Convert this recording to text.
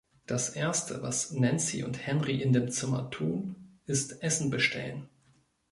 Das erste, was Nancy und Henry in dem Zimmer tun, ist Essen bestellen.